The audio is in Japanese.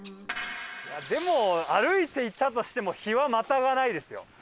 でも歩いて行ったとしても日はまたがないですよ。